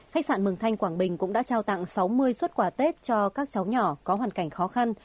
khách sạn mường thanh quảng bình cũng đã trao tặng sáu mươi xuất quà tết cho các cháu nhỏ có hoàn cảnh khó khăn